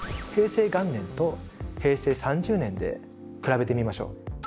平成元年と平成３０年で比べてみましょう。